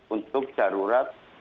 untuk jarurat masuknya